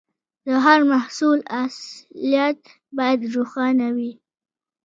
د هر محصول اصليت باید روښانه وي.